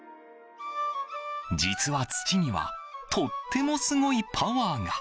実は土にはとってもすごいパワーが。